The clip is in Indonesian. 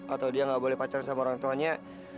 atau dia nggak boleh pacaran sama orang tuanya